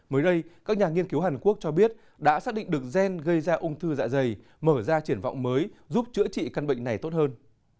mới đây các nhà nghiên cứu hàn quốc cho biết đã xác định được gen gây ra ung thư dạ dày mở ra triển vọng mới giúp chữa trị căn bệnh này tốt hơn